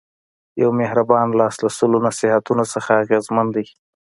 یو مهربان لاس له سلو نصیحتونو نه اغېزمن دی.